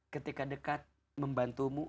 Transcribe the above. ketika dekat membantumu